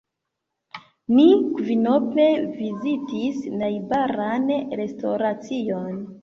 Ni kvinope vizitis najbaran restoracion.